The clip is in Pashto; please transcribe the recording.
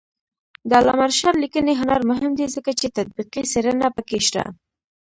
د علامه رشاد لیکنی هنر مهم دی ځکه چې تطبیقي څېړنه پکې شته.